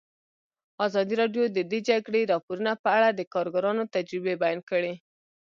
ازادي راډیو د د جګړې راپورونه په اړه د کارګرانو تجربې بیان کړي.